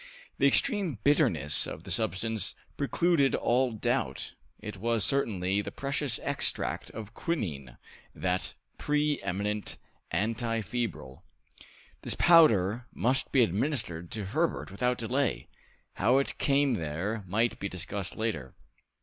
The extreme bitterness of the substance precluded all doubt; it was certainly the precious extract of quinine, that pre eminent antifebrile. This powder must be administered to Herbert without delay. How it came there might be discussed later.